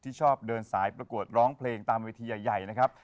ชอบเดินสายประกวดร้องเพลงตามเวทีใหญ่นะครับ